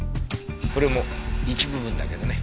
これも一部分だけどね。